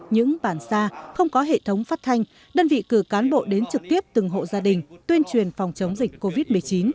những bản xa không có hệ thống phát thanh đơn vị cử cán bộ đến trực tiếp từng hộ gia đình tuyên truyền phòng chống dịch covid một mươi chín